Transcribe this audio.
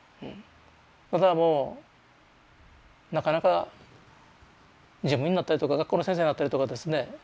だからもうなかなか事務員になったりとか学校の先生になったりとかですね